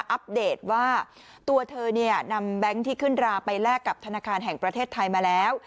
อัปเดตว่าตัวเธอเนี่ยนำแบงค์ที่ขึ้นราไปแลกกับธนาคารแห่งประเทศไทยมาแล้ว